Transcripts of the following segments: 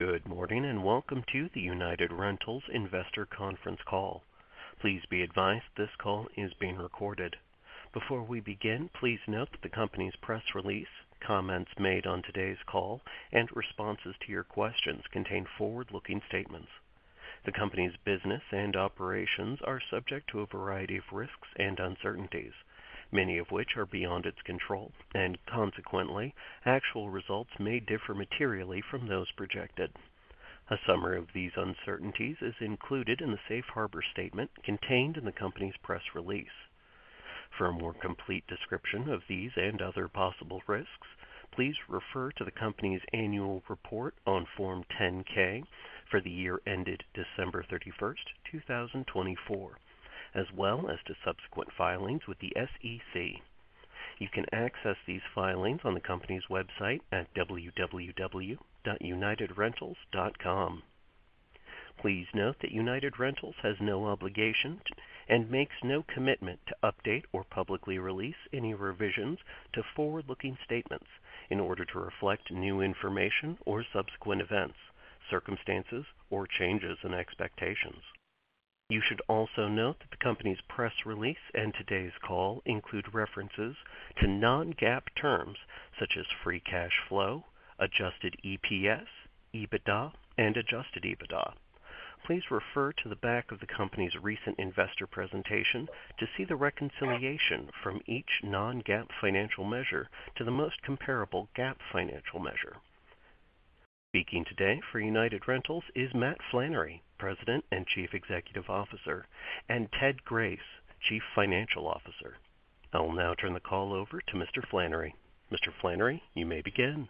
Good morning and welcome to the United Rentals Investor conference call. Please be advised this call is being recorded. Before we begin, please note that the company's press release, comments made on today's call, and responses to your questions contain forward-looking statements. The company's business and operations are subject to a variety of risks and uncertainties, many of which are beyond its control, and consequently, actual results may differ materially from those projected. A summary of these uncertainties is included in the safe harbor statement contained in the company's press release. For a more complete description of these and other possible risks, please refer to the company's annual report on Form 10-K for the year ended December 31, 2024, as well as to subsequent filings with the U.S. SEC. You can access these filings on the company's website at www.unitedrentals.com. Please note that United Rentals has no obligation and makes no commitment to update or publicly release any revisions to forward-looking statements in order to reflect new information or subsequent events, circumstances, or changes in expectations. You should also note that the company's press release and today's call include references to non-GAAP terms such as free cash flow, adjusted EPS, EBITDA, and adjusted EBITDA. Please refer to the back of the company's recent investor presentation to see the reconciliation from each non-GAAP financial measure to the most comparable GAAP financial measure. Speaking today for United Rentals is Matt Flannery, President and Chief Executive Officer, and Ted Grace, Chief Financial Officer. I will now turn the call over to Mr. Flannery. Mr. Flannery, you may begin.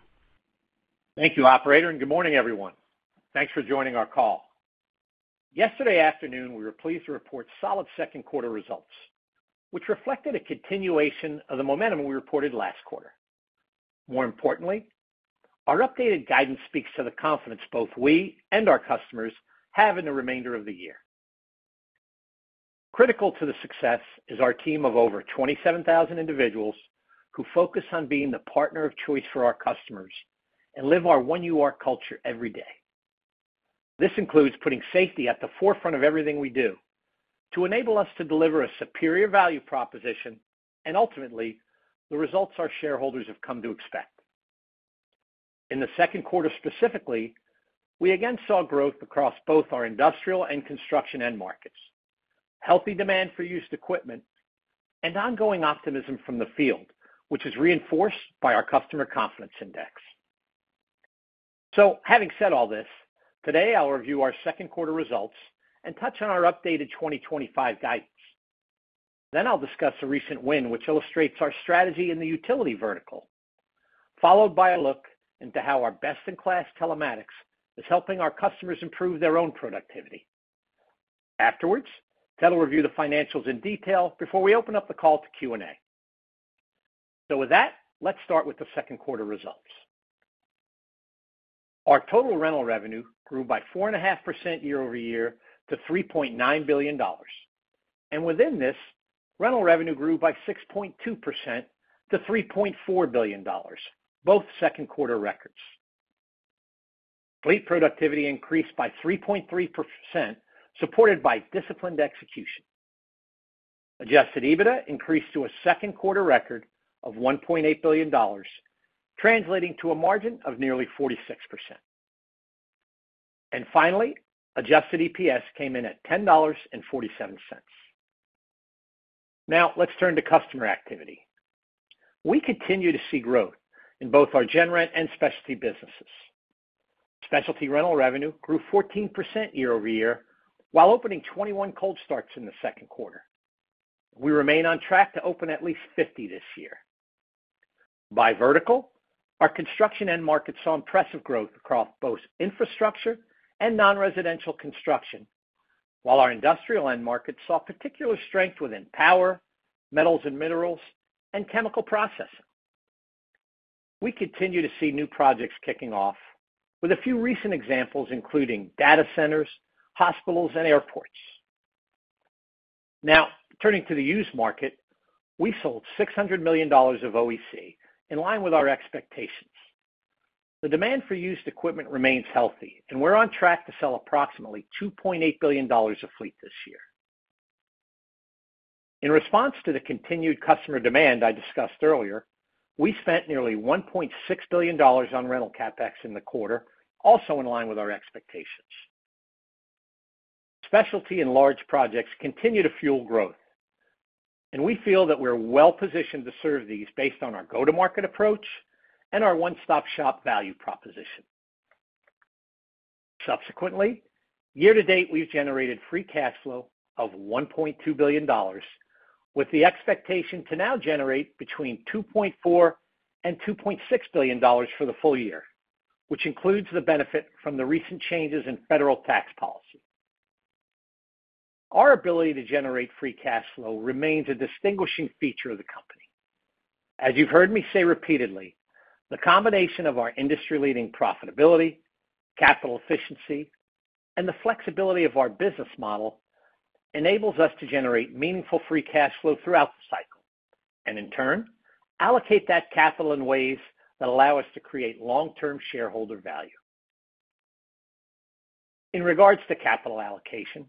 Thank you, operator, and good morning, everyone. Thanks for joining our call. Yesterday afternoon, we were pleased to report solid second-quarter results, which reflected a continuation of the momentum we reported last quarter. More importantly, our updated guidance speaks to the confidence both we and our customers have in the remainder of the year. Critical to the success is our team of over 27,000 individuals who focus on being the partner of choice for our customers and live our One UR culture every day. This includes putting safety at the forefront of everything we do to enable us to deliver a superior value proposition and ultimately the results our shareholders have come to expect. In the second quarter specifically, we again saw growth across both our industrial and construction end markets, healthy demand for used equipment, and ongoing optimism from the field, which is reinforced by our Customer Confidence Index. Having said all this, today I'll review our second-quarter results and touch on our updated 2025 guidance. I will discuss a recent win which illustrates our strategy in the utility vertical, followed by a look into how our best-in-class telematics is helping our customers improve their own productivity. Afterwards, Ted will review the financials in detail before we open up the call to Q&A. With that, let's start with the second-quarter results. Our total rental revenue grew by 4.5% year-over-year to $3.9 billion. Within this, rental revenue grew by 6.2% to $3.4 billion, both second-quarter records. Fleet productivity increased by 3.3%, supported by disciplined execution. Adjusted EBITDA increased to a second-quarter record of $1.8 billion, translating to a margin of nearly 46%. Finally, adjusted EPS came in at $10.47. Now, let's turn to customer activity. We continue to see growth in both our gen rent and specialty businesses. Specialty rental revenue grew 14% year-over-year while opening 21 cold starts in the second quarter. We remain on track to open at least 50 this year. By vertical, our construction end market saw impressive growth across both infrastructure and non-residential construction, while our industrial end market saw particular strength within power, metals and minerals, and chemical processing. We continue to see new projects kicking off, with a few recent examples including data centers, hospitals, and airports. Turning to the used market, we sold $600 million of OEC in line with our expectations. The demand for used equipment remains healthy, and we're on track to sell approximately $2.8 billion of fleet this year. In response to the continued customer demand I discussed earlier, we spent nearly $1.6 billion on rental CapEx in the quarter, also in line with our expectations. Specialty and large projects continue to fuel growth, and we feel that we're well-positioned to serve these based on our go-to-market approach and our one-stop-shop value proposition. Subsequently, year-to-date, we've generated free cash flow of $1.2 billion. With the expectation to now generate between $2.4 billion and $2.6 billion for the full year, which includes the benefit from the recent changes in federal tax policy. Our ability to generate free cash flow remains a distinguishing feature of the company. As you've heard me say repeatedly, the combination of our industry-leading profitability, capital efficiency, and the flexibility of our business model enables us to generate meaningful free cash flow throughout the cycle and, in turn, allocate that capital in ways that allow us to create long-term shareholder value. In regards to capital allocation,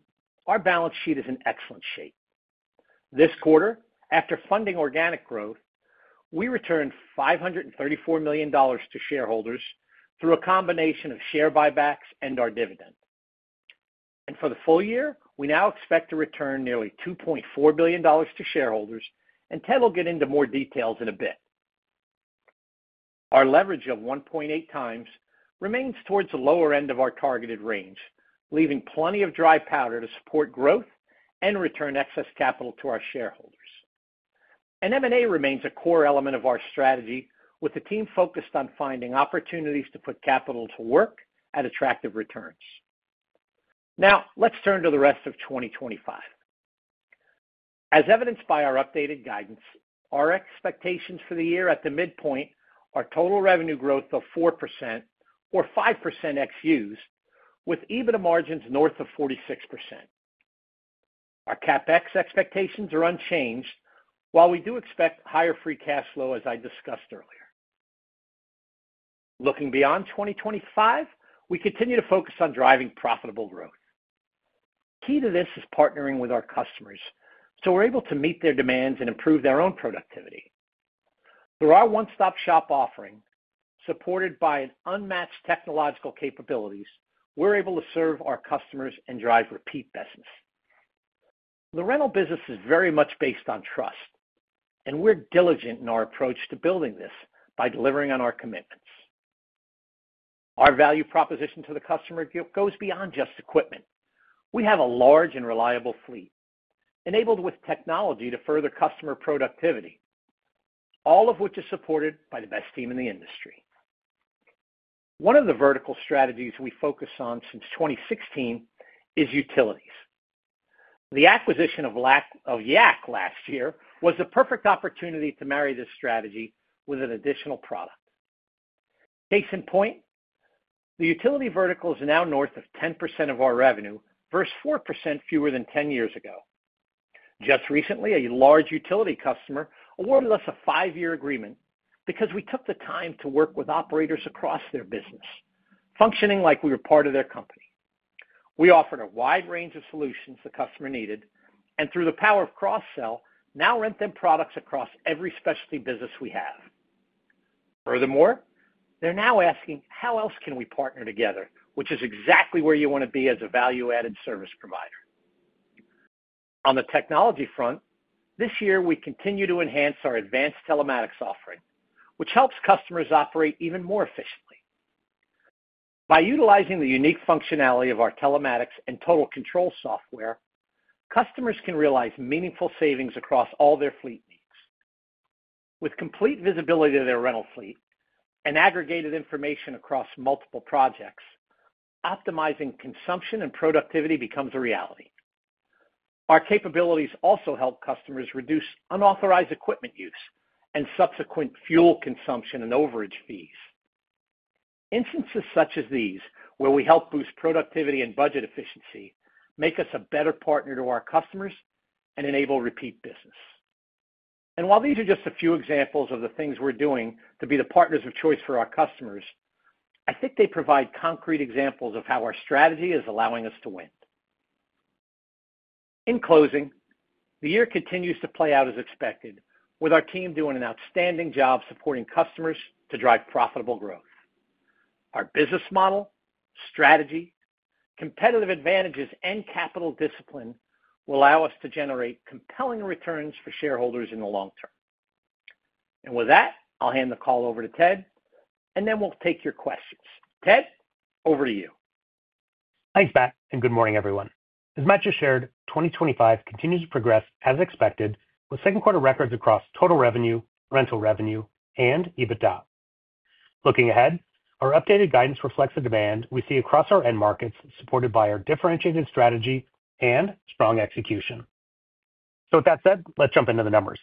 our balance sheet is in excellent shape. This quarter, after funding organic growth, we returned $534 million to shareholders through a combination of share buybacks and our dividend. For the full year, we now expect to return nearly $2.4 billion to shareholders, and Ted will get into more details in a bit. Our leverage of 1.8x remains towards the lower end of our targeted range, leaving plenty of dry powder to support growth and return excess capital to our shareholders. M&A remains a core element of our strategy, with the team focused on finding opportunities to put capital to work at attractive returns. Now, let's turn to the rest of 2025. As evidenced by our updated guidance, our expectations for the year at the midpoint are total revenue growth of 4%-5% ex used, with EBITDA margins north of 46%. Our CapEx expectations are unchanged, while we do expect higher free cash flow, as I discussed earlier. Looking beyond 2025, we continue to focus on driving profitable growth. Key to this is partnering with our customers so we're able to meet their demands and improve their own productivity. Through our one-stop-shop offering, supported by unmatched technological capabilities, we're able to serve our customers and drive repeat business. The rental business is very much based on trust, and we're diligent in our approach to building this by delivering on our commitments. Our value proposition to the customer goes beyond just equipment. We have a large and reliable fleet, enabled with technology to further customer productivity. All of which is supported by the best team in the industry. One of the vertical strategies we focus on since 2016 is utilities. The acquisition of Yak last year was the perfect opportunity to marry this strategy with an additional product. Case in point the utility vertical is now north of 10% of our revenue, versus 4% fewer than 10 years ago. Just recently, a large utility customer awarded us a five-year agreement because we took the time to work with operators across their business, functioning like we were part of their company. We offered a wide range of solutions the customer needed, and through the power of cross-sell, now rent them products across every specialty business we have. Furthermore, they're now asking, "How else can we partner together?" which is exactly where you want to be as a value-added service provider. On the technology front, this year we continue to enhance our advanced telematics offering, which helps customers operate even more efficiently. By utilizing the unique functionality of our telematics and total control software, customers can realize meaningful savings across all their fleet needs. With complete visibility of their rental fleet and aggregated information across multiple projects, optimizing consumption and productivity becomes a reality. Our capabilities also help customers reduce unauthorized equipment use and subsequent fuel consumption and overage fees. Instances such as these, where we help boost productivity and budget efficiency, make us a better partner to our customers and enable repeat business. While these are just a few examples of the things we're doing to be the partners of choice for our customers, I think they provide concrete examples of how our strategy is allowing us to win. In closing, the year continues to play out as expected, with our team doing an outstanding job supporting customers to drive profitable growth. Our business model, strategy, competitive advantages, and capital discipline will allow us to generate compelling returns for shareholders in the long term. With that, I'll hand the call over to Ted, and then we'll take your questions. Ted, over to you. Thanks, Matt, and good morning, everyone. As Matt just shared, 2025 continues to progress as expected, with second-quarter records across total revenue, rental revenue, and EBITDA. Looking ahead, our updated guidance reflects the demand we see across our end markets, supported by our differentiated strategy and strong execution. With that said, let's jump into the numbers.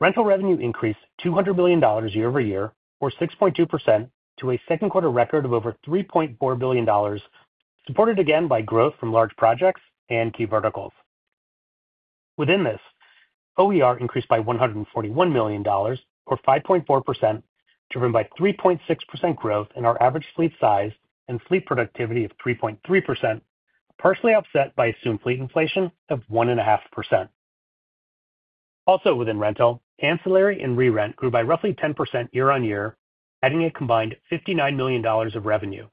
Rental revenue increased $200 million year-over-year, or 6.2%, to a second-quarter record of over $3.4 billion. Supported again by growth from large projects and key verticals. Within this, OER increased by $141 million, or 5.4%, driven by 3.6% growth in our average fleet size and fleet productivity of 3.3%, partially offset by assumed fleet inflation of 1.5%. Also, within rental, ancillary and re-rent grew by roughly 10% year-on-year, adding a combined $59 million of revenue.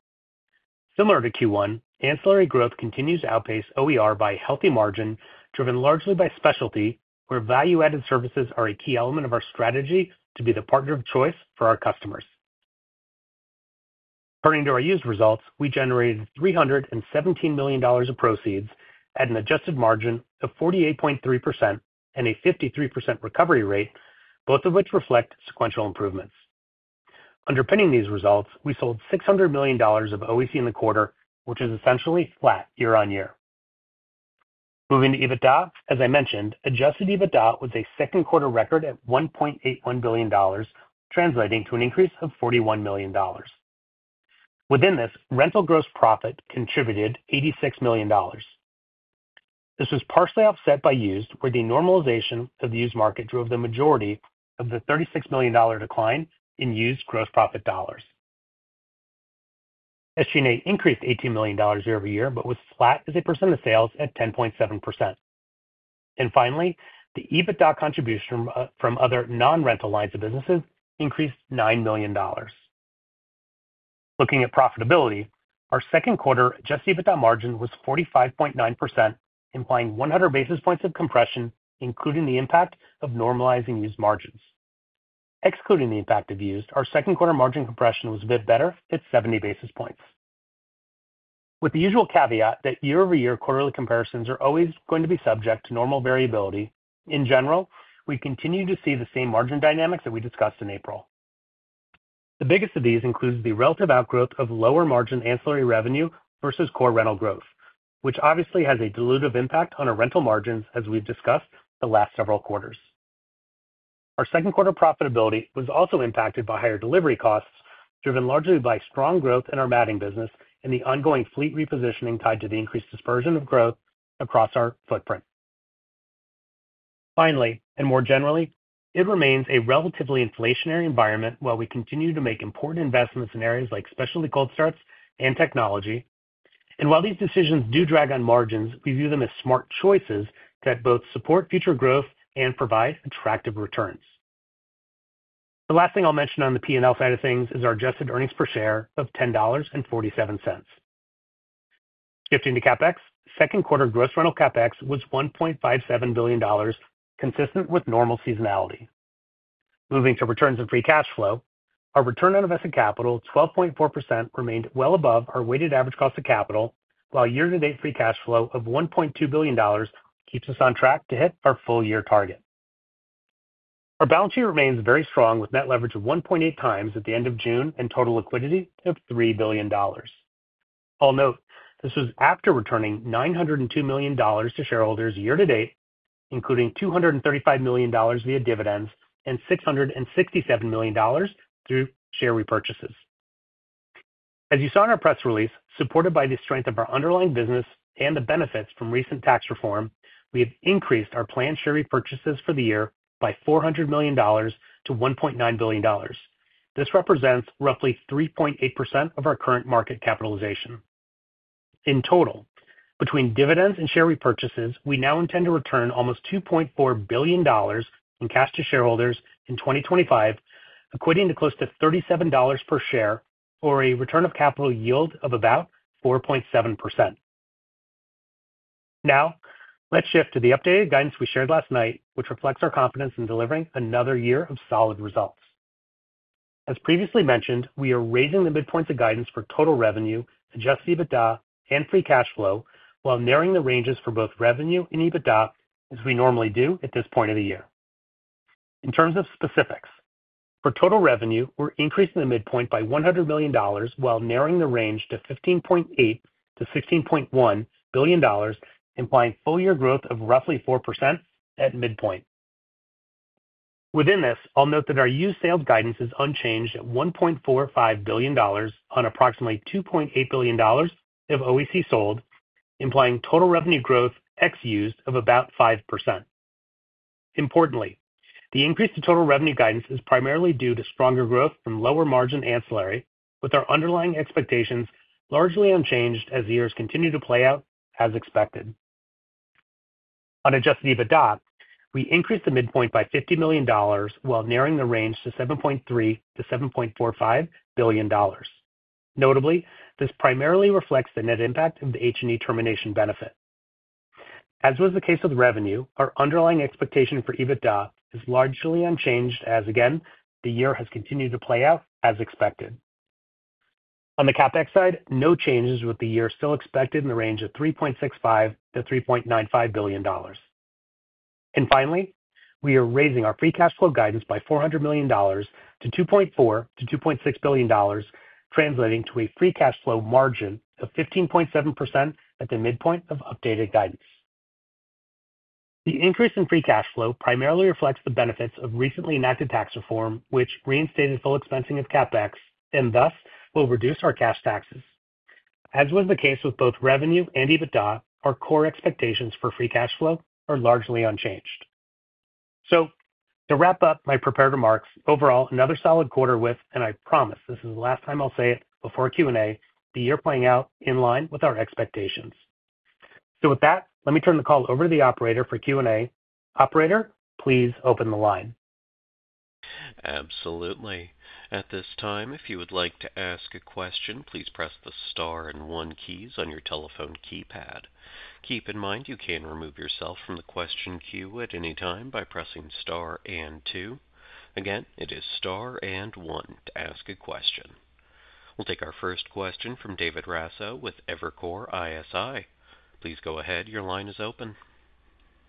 Similar to Q1, ancillary growth continues to outpace OER by a healthy margin, driven largely by specialty, where value-added services are a key element of our strategy to be the partner of choice for our customers. Turning to our used results, we generated $317 million of proceeds at an adjusted margin of 48.3% and a 53% recovery rate, both of which reflect sequential improvements. Underpinning these results, we sold $600 million of OEC in the quarter, which is essentially flat year-on-year. Moving to EBITDA, as I mentioned, adjusted EBITDA was a second-quarter record at $1.81 billion, translating to an increase of $41 million. Within this, rental gross profit contributed $86 million. This was partially offset by used, where the normalization of the used market drove the majority of the $36 million decline in used gross profit dollars. SG&A increased $18 million year-over-year, but was flat as a percent of sales at 10.7%. Finally, the EBITDA contribution from other non-rental lines of businesses increased $9 million. Looking at profitability, our second-quarter adjusted EBITDA margin was 45.9%, implying 100 basis points of compression, including the impact of normalizing used margins. Excluding the impact of used, our second-quarter margin compression was a bit better at 70 basis points. With the usual caveat that year-over-year quarterly comparisons are always going to be subject to normal variability, in general, we continue to see the same margin dynamics that we discussed in April. The biggest of these includes the relative outgrowth of lower margin ancillary revenue versus core rental growth, which obviously has a dilutive impact on our rental margins, as we've discussed the last several quarters. Our second-quarter profitability was also impacted by higher delivery costs, driven largely by strong growth in our matting business and the ongoing fleet repositioning tied to the increased dispersion of growth across our footprint. Finally, and more generally, it remains a relatively inflationary environment while we continue to make important investments in areas like specialty cold starts and technology. While these decisions do drag on margins, we view them as smart choices that both support future growth and provide attractive returns. The last thing I'll mention on the P&L side of things is our adjusted earnings per share of $10.47. Shifting to CapEx, second-quarter gross rental CapEx was $1.57 billion, consistent with normal seasonality. Moving to returns and free cash flow, our return on invested capital, 12.4%, remained well above our weighted average cost of capital, while year-to-date free cash flow of $1.2 billion keeps us on track to hit our full-year target. Our balance sheet remains very strong, with net leverage of 1.8x at the end of June and total liquidity of $3 billion. I'll note this was after returning $902 million to shareholders year-to-date, including $235 million via dividends and $667 million through share repurchases. As you saw in our press release, supported by the strength of our underlying business and the benefits from recent tax reform, we have increased our planned share repurchases for the year by $400 million to $1.9 billion. This represents roughly 3.8% of our current market capitalization. In total, between dividends and share repurchases, we now intend to return almost $2.4 billion in cash to shareholders in 2025, equating to close to $37 per share, or a return of capital yield of about 4.7%. Now, let's shift to the updated guidance we shared last night, which reflects our confidence in delivering another year of solid results. As previously mentioned, we are raising the midpoint of guidance for total revenue, adjusted EBITDA, and free cash flow while narrowing the ranges for both revenue and EBITDA, as we normally do at this point of the year. In terms of specifics, for total revenue, we're increasing the midpoint by $100 million while narrowing the range to $15.8-$16.1 billion, implying full-year growth of roughly 4% at midpoint. Within this, I'll note that our used sales guidance is unchanged at $1.45 billion on approximately $2.8 billion of OEC sold, implying total revenue growth ex used of about 5%. Importantly, the increase to total revenue guidance is primarily due to stronger growth from lower margin ancillary, with our underlying expectations largely unchanged as the years continue to play out as expected. On adjusted EBITDA, we increased the midpoint by $50 million while narrowing the range to $7.3-$7.45 billion. Notably, this primarily reflects the net impact of the H&E termination benefit. As was the case with revenue, our underlying expectation for EBITDA is largely unchanged as, again, the year has continued to play out as expected. On the CapEx side, no changes with the year still expected in the range of $3.65-$3.95 billion. Finally, we are raising our free cash flow guidance by $400 million to $2.4-$2.6 billion, translating to a free cash flow margin of 15.7% at the midpoint of updated guidance. The increase in free cash flow primarily reflects the benefits of recently enacted tax reform, which reinstated full expensing of CapEx and thus will reduce our cash taxes. As was the case with both revenue and EBITDA, our core expectations for free cash flow are largely unchanged. To wrap up my prepared remarks, overall, another solid quarter with, and I promise this is the last time I'll say it before Q&A, the year playing out in line with our expectations. With that, let me turn the call over to the operator for Q&A. Operator, please open the line. Absolutely. At this time, if you would like to ask a question, please press the star and one keys on your telephone keypad. Keep in mind you can remove yourself from the question queue at any time by pressing star and two. Again, it is star and one to ask a question. We'll take our first question from David Raso with Evercore ISI. Please go ahead. Your line is open.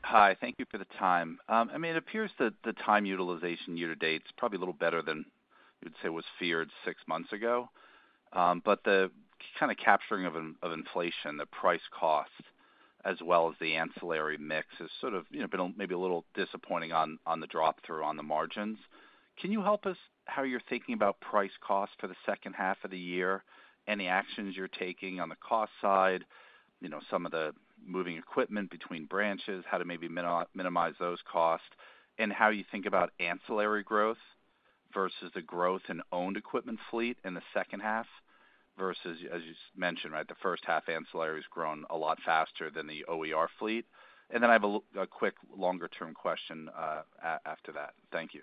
Hi. Thank you for the time. I mean, it appears that the time utilization year-to-date is probably a little better than you'd say was feared six months ago. The kind of capturing of inflation, the price cost, as well as the ancillary mix has sort of been maybe a little disappointing on the drop-through on the margins. Can you help us how you're thinking about price cost for the second half of the year, any actions you're taking on the cost side, some of the moving equipment between branches, how to maybe minimize those costs, and how you think about ancillary growth versus the growth in owned equipment fleet in the second half versus, as you mentioned, right, the first half ancillary has grown a lot faster than the OER fleet? I have a quick longer-term question after that. Thank you.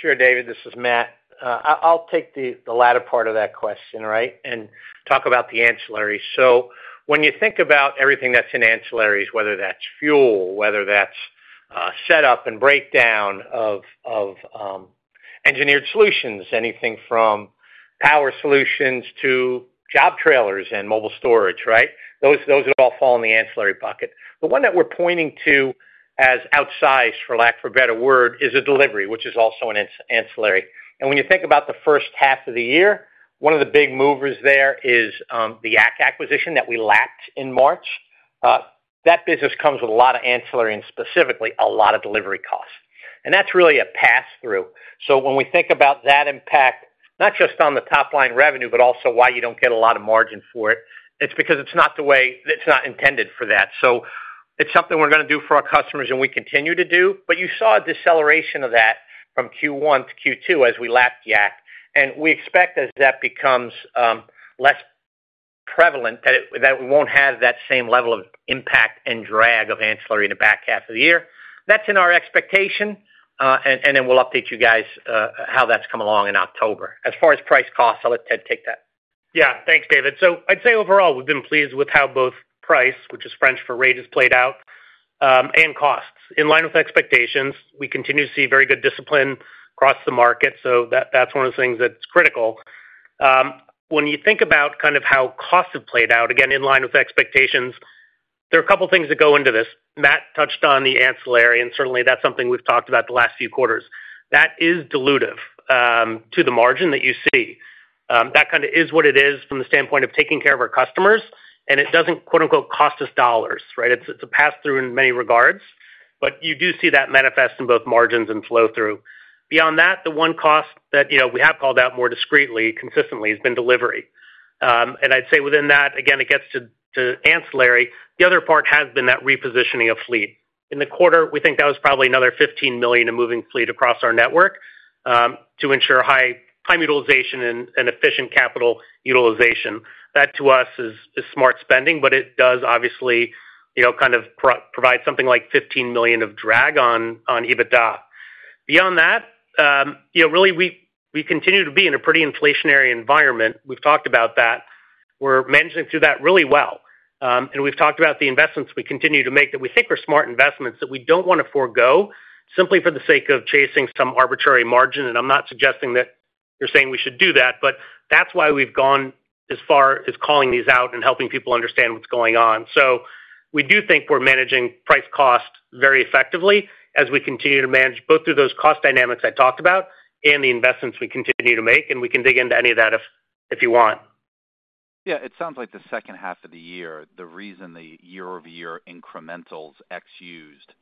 Sure, David. This is Matt. I'll take the latter part of that question, right, and talk about the ancillary. When you think about everything that's in ancillaries, whether that's fuel, whether that's setup and breakdown of engineered solutions, anything from power solutions to job trailers and mobile storage, right, those would all fall in the ancillary bucket. The one that we're pointing to as outsized, for lack of a better word, is delivery, which is also an ancillary. When you think about the first half of the year, one of the big movers there is the Yak acquisition that we lapped in March. That business comes with a lot of ancillary and specifically a lot of delivery costs. That's really a pass-through. When we think about that impact, not just on the top-line revenue, but also why you don't get a lot of margin for it, it's because it's not intended for that. It's something we're going to do for our customers and we continue to do. You saw a deceleration of that from Q1 to Q2 as we lapped Yak. We expect as that becomes less prevalent that we won't have that same level of impact and drag of ancillary in the back half of the year. That's in our expectation. We'll update you guys how that's come along in October. As far as price cost, I'll let Ted take that. Yeah. Thanks, David. I'd say overall, we've been pleased with how both price, which is French for rate, has played out. And costs. In line with expectations, we continue to see very good discipline across the market. That's one of the things that's critical. When you think about kind of how costs have played out, again, in line with expectations, there are a couple of things that go into this. Matt touched on the ancillary, and certainly that's something we've talked about the last few quarters. That is dilutive to the margin that you see. That kind of is what it is from the standpoint of taking care of our customers, and it doesn't "cost us dollars," right? It's a pass-through in many regards, but you do see that manifest in both margins and flow-through. Beyond that, the one cost that we have called out more discreetly, consistently, has been delivery. I'd say within that, again, it gets to ancillary. The other part has been that repositioning of fleet. In the quarter, we think that was probably another $15 million of moving fleet across our network. To ensure high utilization and efficient capital utilization. That, to us, is smart spending, but it does obviously kind of provide something like $15 million of drag on EBITDA. Beyond that. Really, we continue to be in a pretty inflationary environment. We've talked about that. We're managing through that really well. We've talked about the investments we continue to make that we think are smart investments that we don't want to forego simply for the sake of chasing some arbitrary margin. I'm not suggesting that you're saying we should do that, but that's why we've gone as far as calling these out and helping people understand what's going on. We do think we're managing price cost very effectively as we continue to manage both through those cost dynamics I talked about and the investments we continue to make. We can dig into any of that if you want. Yeah. It sounds like the second half of the year, the reason the year-over-year incrementals ex used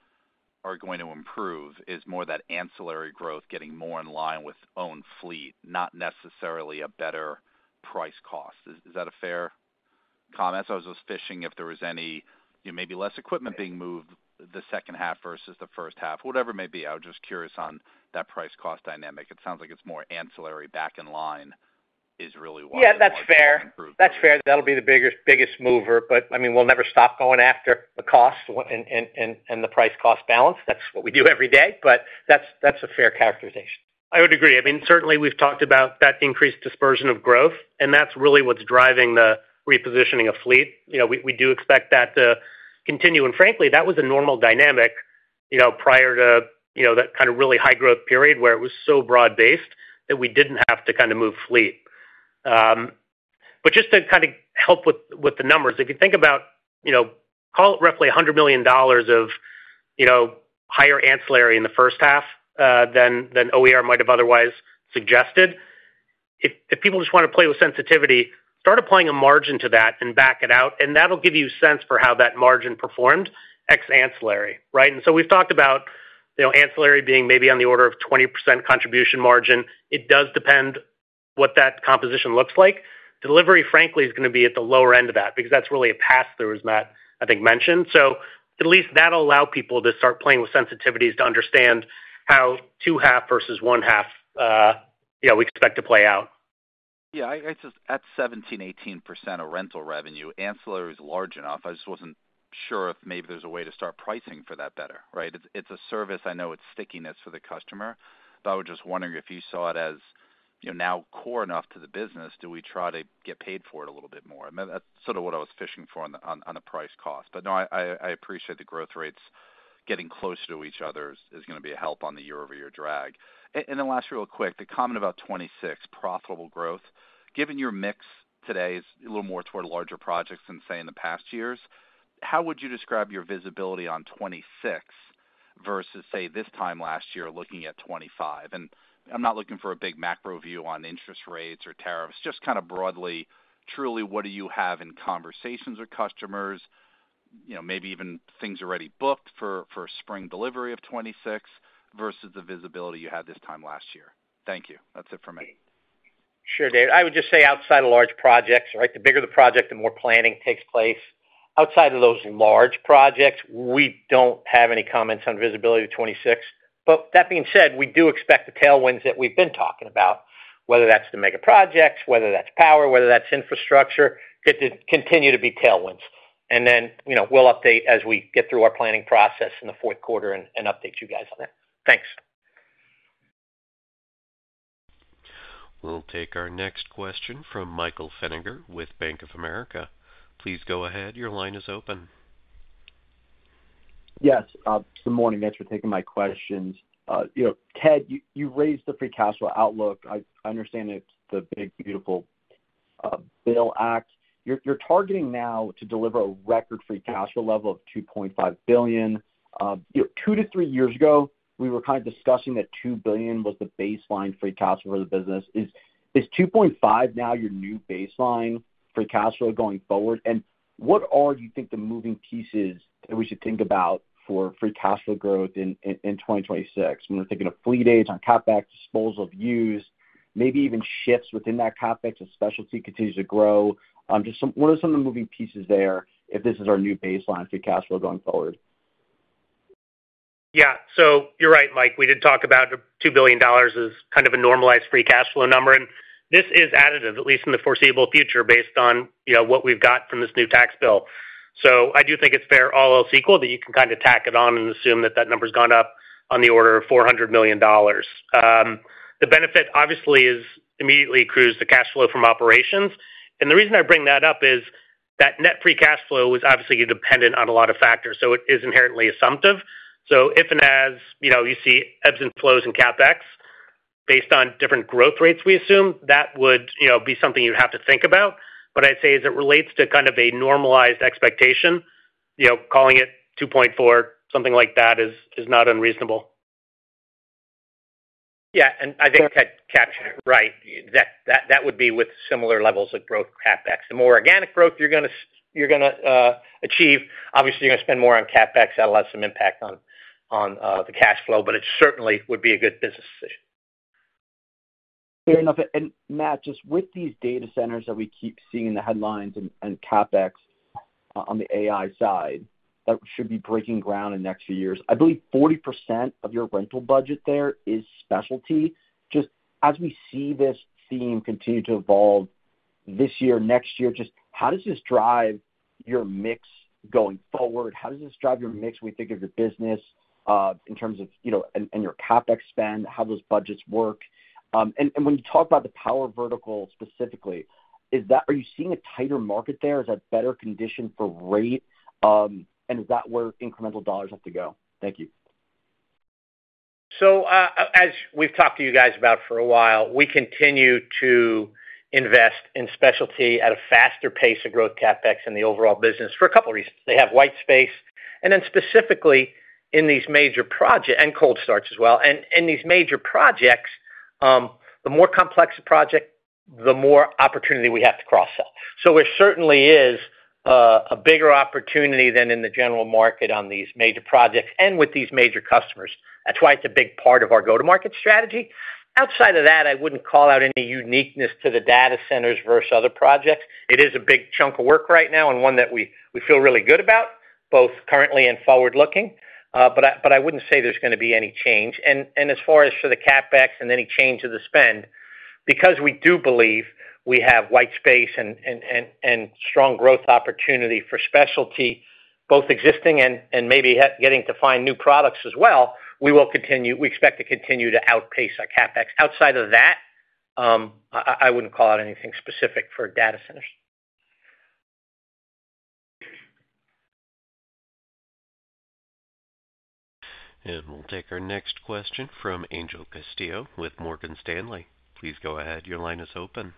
are going to improve is more that ancillary growth getting more in line with owned fleet, not necessarily a better price cost. Is that a fair comment? I was just fishing if there was any maybe less equipment being moved the second half versus the first half, whatever it may be. I was just curious on that price cost dynamic. It sounds like it's more ancillary back in line is really what's going to improve. Yeah. That's fair. That's fair. That'll be the biggest mover. I mean, we'll never stop going after the cost and the price cost balance. That's what we do every day. That's a fair characterization. I would agree. I mean, certainly, we've talked about that increased dispersion of growth, and that's really what's driving the repositioning of fleet. We do expect that to continue. Frankly, that was a normal dynamic prior to that kind of really high growth period where it was so broad-based that we didn't have to kind of move fleet. Just to kind of help with the numbers, if you think about, call it roughly $100 million of higher ancillary in the first half than OER might have otherwise suggested. If people just want to play with sensitivity, start applying a margin to that and back it out, and that'll give you a sense for how that margin performed ex ancillary, right? We've talked about ancillary being maybe on the order of 20% contribution margin. It does depend what that composition looks like. Delivery, frankly, is going to be at the lower end of that because that's really a pass-through, as Matt, I think, mentioned. At least that'll allow people to start playing with sensitivities to understand how two-half versus one-half, we expect to play out. Yeah. At 17%-18% of rental revenue, ancillary is large enough. I just was not sure if maybe there is a way to start pricing for that better, right? It is a service. I know it is stickiness for the customer, but I was just wondering if you saw it as now core enough to the business, do we try to get paid for it a little bit more? That is sort of what I was fishing for on the price cost. No, I appreciate the growth rates. Getting closer to each other is going to be a help on the year-over-year drag. Lastly, real quick, the comment about 2026, profitable growth, given your mix today is a little more toward larger projects than, say, in the past years, how would you describe your visibility on 2026 versus, say, this time last year looking at 2025? I am not looking for a big macro view on interest rates or tariffs. Just kind of broadly, truly, what do you have in conversations with customers, maybe even things already booked for spring delivery of 2026 versus the visibility you had this time last year? Thank you. That is it for me. Sure, David. I would just say outside of large projects, right, the bigger the project, the more planning takes place. Outside of those large projects, we do not have any comments on visibility of 2026. That being said, we do expect the tailwinds that we have been talking about, whether that is to make a project, whether that is power, whether that is infrastructure, continue to be tailwinds. We will update as we get through our planning process in the fourth quarter and update you guys on that. Thanks. We'll take our next question from Michael Feniger with Bank of America. Please go ahead. Your line is open. Yes. Good morning. Thanks for taking my questions. Ted, you raised the free cash flow outlook. I understand it's the Big Beautiful Bill Act. You're targeting now to deliver a record free cash flow level of $2.5 billion. Two to three years ago, we were kind of discussing that $2 billion was the baseline free cash flow for the business. Is $2.5 billion now your new baseline free cash flow going forward? What are, do you think, the moving pieces that we should think about for free cash flow growth in 2026? We're thinking of fleet age, on CapEx, disposal of use, maybe even shifts within that CapEx if specialty continues to grow. What are some of the moving pieces there if this is our new baseline free cash flow going forward? Yeah. So, you're right, Mike. We did talk about $2 billion as kind of a normalized free cash flow number. This is additive, at least in the foreseeable future, based on what we've got from this new tax bill. I do think it's fair all else equal that you can kind of tack it on and assume that that number's gone up on the order of $400 million. The benefit, obviously, immediately accrues to the cash flow from operations. The reason I bring that up is that net free cash flow is obviously dependent on a lot of factors. It is inherently assumptive. If and as you see ebbs and flows in CapEx based on different growth rates, we assume that would be something you'd have to think about. I'd say as it relates to kind of a normalized expectation, calling it $2.4 billion, something like that is not unreasonable. Yeah. I think Ted captured it right. That would be with similar levels of growth CapEx. The more organic growth you're going to achieve, obviously, you're going to spend more on CapEx that'll have some impact on the cash flow, but it certainly would be a good business decision. Fair enough. Matt, just with these data centers that we keep seeing in the headlines and CapEx on the AI side, that should be breaking ground in the next few years. I believe 40% of your rental budget there is specialty. Just as we see this theme continue to evolve this year, next year, how does this drive your mix going forward? How does this drive your mix when you think of your business, in terms of your CapEx spend, how those budgets work? When you talk about the power vertical specifically, are you seeing a tighter market there? Is that better conditioned for rate? Is that where incremental dollars have to go? Thank you. As we've talked to you guys about for a while, we continue to invest in specialty at a faster pace of growth CapEx in the overall business for a couple of reasons. They have white space. Specifically in these major projects and cold starts as well. In these major projects, the more complex the project, the more opportunity we have to cross-sell. There certainly is a bigger opportunity than in the general market on these major projects and with these major customers. That's why it's a big part of our go-to-market strategy. Outside of that, I wouldn't call out any uniqueness to the data centers versus other projects. It is a big chunk of work right now and one that we feel really good about, both currently and forward-looking. I wouldn't say there's going to be any change. As far as for the CapEx and any change of the spend, because we do believe we have white space and strong growth opportunity for specialty, both existing and maybe getting to find new products as well, we expect to continue to outpace our CapEx. Outside of that, I wouldn't call out anything specific for data centers. We will take our next question from Angel Castillo with Morgan Stanley. Please go ahead. Your line is open.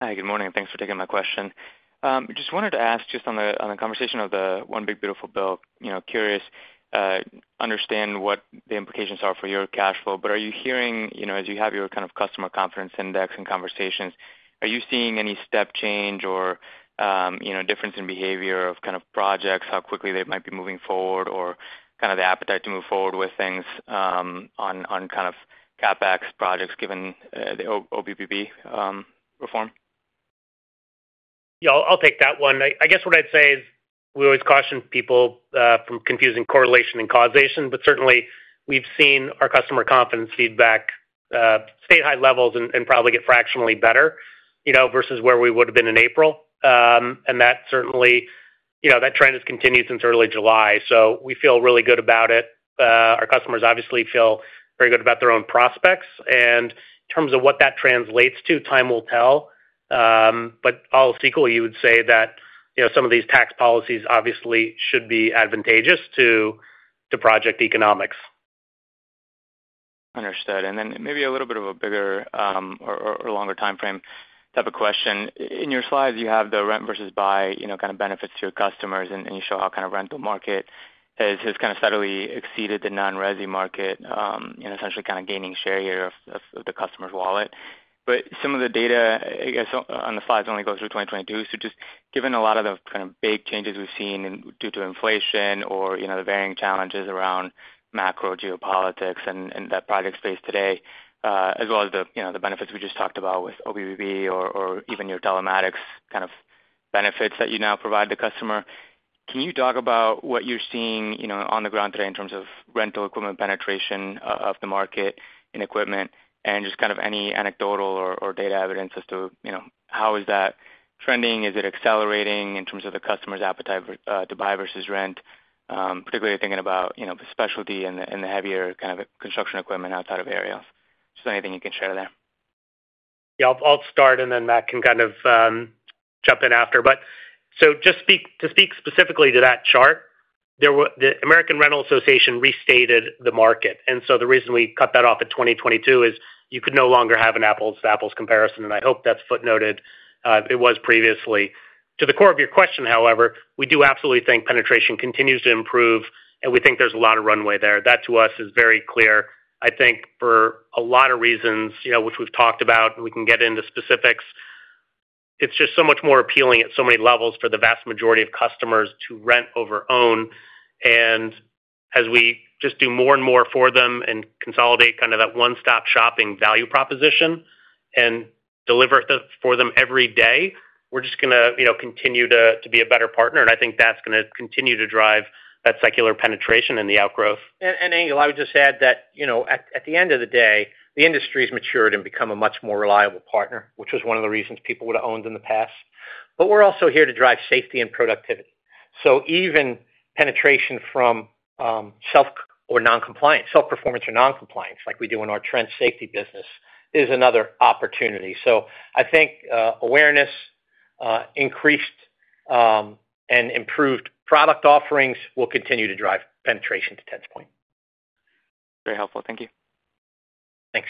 Hi. Good morning. Thanks for taking my question. Just wanted to ask just on the conversation of the One Big Beautiful Bill, curious. Understand what the implications are for your cash flow. Are you hearing, as you have your kind of Customer Confidence Index and conversations, are you seeing any step change or difference in behavior of kind of projects, how quickly they might be moving forward, or kind of the appetite to move forward with things. On kind of CapEx projects given the OBBB reform? Yeah. I'll take that one. I guess what I'd say is we always caution people from confusing correlation and causation. Certainly, we've seen our customer confidence feedback stay at high levels and probably get fractionally better versus where we would have been in April. That trend has continued since early July. We feel really good about it. Our customers obviously feel very good about their own prospects. In terms of what that translates to, time will tell. All else equal, you would say that some of these tax policies obviously should be advantageous to project economics. Understood. Maybe a little bit of a bigger or longer timeframe type of question. In your slides, you have the rent versus buy kind of benefits to your customers, and you show how rental market has steadily exceeded the non-Resi market and essentially gaining share here of the customer's wallet. Some of the data, I guess, on the slides only goes through 2022. Just given a lot of the big changes we've seen due to inflation or the varying challenges around macro geopolitics and that project space today, as well as the benefits we just talked about with OBBB or even your telematics kind of benefits that you now provide the customer, can you talk about what you're seeing on the ground today in terms of rental equipment penetration of the market in equipment and just any anecdotal or data evidence as to how is that trending? Is it accelerating in terms of the customer's appetite to buy versus rent, particularly thinking about specialty and the heavier construction equipment outside of areas? Anything you can share there. Yeah. I'll start, and then Matt can kind of jump in after. Just to speak specifically to that chart, the American Rental Association restated the market. The reason we cut that off in 2022 is you could no longer have an apples-to-apples comparison, and I hope that's footnoted. It was previously. To the core of your question, however, we do absolutely think penetration continues to improve, and we think there's a lot of runway there. That, to us, is very clear. I think for a lot of reasons, which we've talked about, and we can get into specifics. It's just so much more appealing at so many levels for the vast majority of customers to rent over own. As we just do more and more for them and consolidate kind of that one-stop shopping value proposition and deliver for them every day, we're just going to continue to be a better partner. I think that's going to continue to drive that secular penetration and the outgrowth. Angel, I would just add that at the end of the day, the industry has matured and become a much more reliable partner, which was one of the reasons people would have owned in the past. We're also here to drive safety and productivity. Even penetration from self or non-compliance, self-performance or non-compliance, like we do in our Trend Safety business, is another opportunity. I think awareness increased, and improved product offerings will continue to drive penetration to Ted's point. Very helpful. Thank you. Thanks.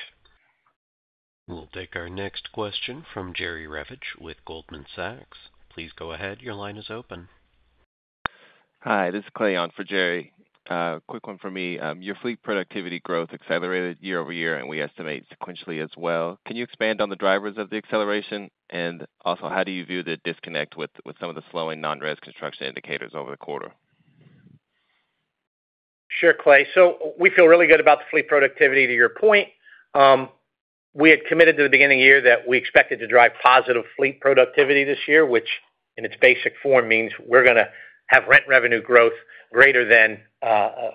We'll take our next question from Jerry Revich with Goldman Sachs. Please go ahead. Your line is open. Hi. This is Clayton for Jerry. Quick one for me. Your fleet productivity growth accelerated year over year, and we estimate sequentially as well. Can you expand on the drivers of the acceleration? Also, how do you view the disconnect with some of the slowing non-Resi construction indicators over the quarter? Sure, Clay. We feel really good about the fleet productivity to your point. We had committed to the beginning of the year that we expected to drive positive fleet productivity this year, which in its basic form means we are going to have rent revenue growth greater than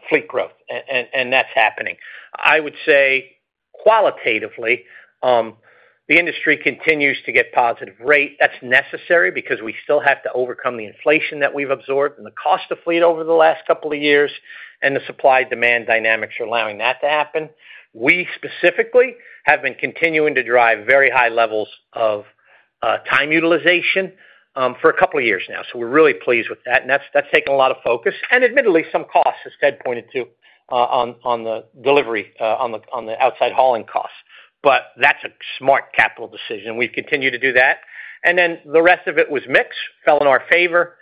fleet growth. That is happening. I would say, qualitatively, the industry continues to get positive rate. That is necessary because we still have to overcome the inflation that we have absorbed and the cost of fleet over the last couple of years, and the supply-demand dynamics are allowing that to happen. We specifically have been continuing to drive very high levels of time utilization for a couple of years now. We are really pleased with that, and that has taken a lot of focus, and admittedly, some costs, as Ted pointed to, on the delivery, on the outside hauling costs. That is a smart capital decision. We have continued to do that. The rest of it was mix, fell in our favor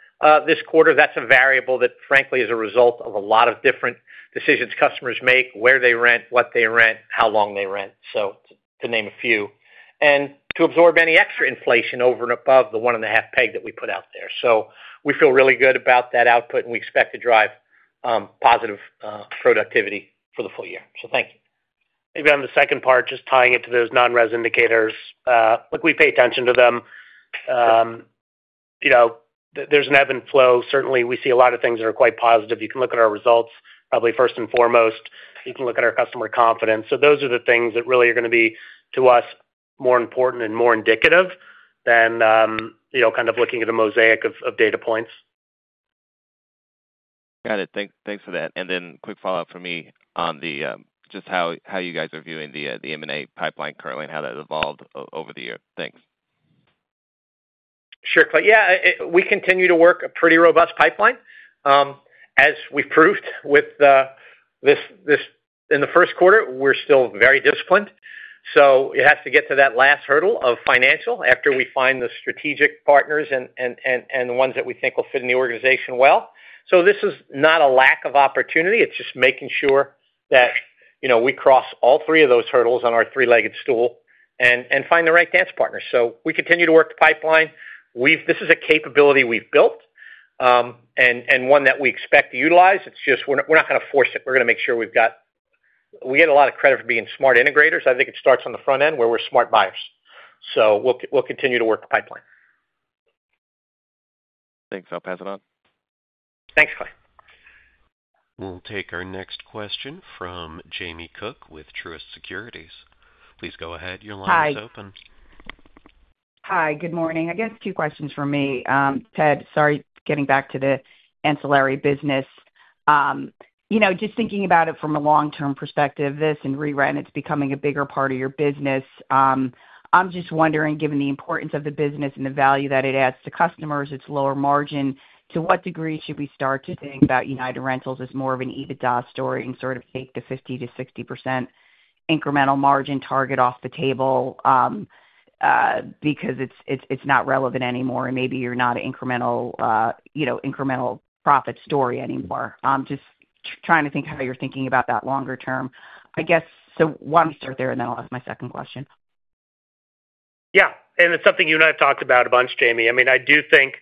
this quarter. That is a variable that, frankly, is a result of a lot of different decisions customers make—where they rent, what they rent, how long they rent, to name a few—and to absorb any extra inflation over and above the one and a half peg that we put out there. We feel really good about that output, and we expect to drive positive productivity for the full year. Thank you. Maybe on the second part, just tying it to those non-Resi indicators. Look, we pay attention to them. There is an ebb and flow. Certainly, we see a lot of things that are quite positive. You can look at our results, probably first and foremost. You can look at our customer confidence. Those are the things that really are going to be, to us, more important and more indicative than kind of looking at a mosaic of data points. Got it. Thanks for that. Quick follow-up for me on just how you guys are viewing the M&A pipeline currently and how that's evolved over the year. Thanks. Sure, Clay. Yeah. We continue to work a pretty robust pipeline. As we've proved with this in the first quarter, we're still very disciplined. It has to get to that last hurdle of financial after we find the strategic partners and the ones that we think will fit in the organization well. This is not a lack of opportunity. It's just making sure that we cross all three of those hurdles on our three-legged stool and find the right dance partners. We continue to work the pipeline. This is a capability we've built and one that we expect to utilize. We're not going to force it. We're going to make sure we get a lot of credit for being smart integrators. I think it starts on the front end where we're smart buyers. We'll continue to work the pipeline. Thanks. I'll pass it on. Thanks, Clay. We'll take our next question from Jamie Cook with Truist Securities. Please go ahead. Your line is open. Hi. Good morning. I guess two questions for me. Ted, sorry, getting back to the ancillary business. Just thinking about it from a long-term perspective, this and re-rent, it's becoming a bigger part of your business. I'm just wondering, given the importance of the business and the value that it adds to customers, its lower margin, to what degree should we start to think about United Rentals as more of an EBITDA story and sort of take the 50-60% incremental margin target off the table. Because it's not relevant anymore, and maybe you're not an incremental profit story anymore. I'm just trying to think how you're thinking about that longer term. I guess, why don't we start there, and then I'll ask my second question. Yeah. And it's something you and I have talked about a bunch, Jamie. I mean, I do think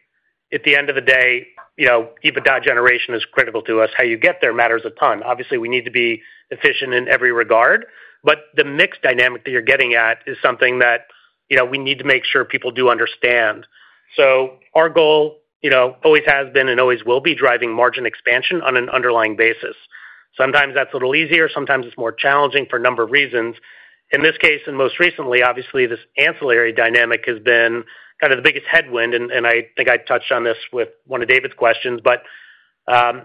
at the end of the day, EBITDA generation is critical to us. How you get there matters a ton. Obviously, we need to be efficient in every regard. The mixed dynamic that you're getting at is something that we need to make sure people do understand. Our goal always has been and always will be driving margin expansion on an underlying basis. Sometimes that's a little easier. Sometimes it's more challenging for a number of reasons. In this case, and most recently, obviously, this ancillary dynamic has been kind of the biggest headwind. I think I touched on this with one of David's questions. At